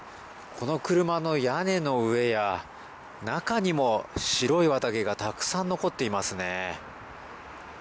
この車の屋根の上や中にも白い綿毛がたくさん残っていますね。